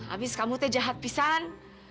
abis kamu teh jahat pisang